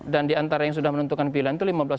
dan diantara yang sudah menentukan pilihan itu